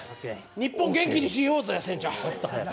日本元気にしようぜ、せんちゃん。